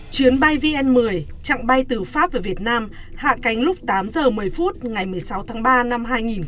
chuyến bay vn một mươi chặng bay từ pháp về việt nam hạ cánh lúc tám h một mươi phút ngày một mươi sáu tháng ba năm hai nghìn hai mươi